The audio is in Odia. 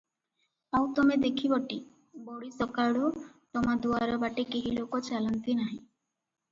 ଆଉ ତମେ ଦେଖିବଟି, ବଡ଼ିସକାଳୁ ତମ ଦୁଆର ବାଟେ କେହି ଲୋକ ଚାଲନ୍ତି ନାହିଁ ।